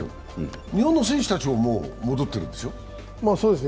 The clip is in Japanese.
日本の選手たちはもう戻っているんですよね。